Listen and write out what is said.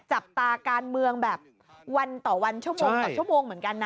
จับตาการเมืองแบบวันต่อวันชั่วโมงต่อชั่วโมงเหมือนกันนะ